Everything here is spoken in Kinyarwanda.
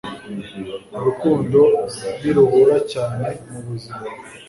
urukundo niruhura cyane mu buzima